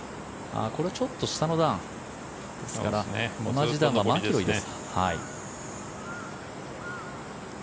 これ、ちょっと下の段ですから同じ段のマキロイです。